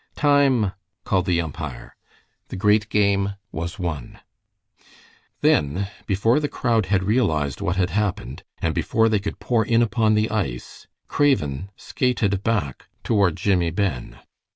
"Time!" called the umpire. The great game was won. Then, before the crowd had realized what had happened, and before they could pour in upon the ice, Craven skated back toward Jimmie Ben.